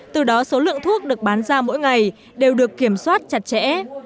từ đó số lượng thuốc được bán ra mỗi ngày đều được kiểm soát chặt chẽ